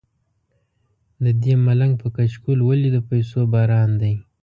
ددې ملنګ په کچکول ولې د پیسو باران دی.